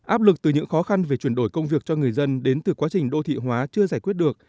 áp lực từ những khó khăn về chuyển đổi công việc cho người dân đến từ quá trình đô thị hóa chưa giải quyết được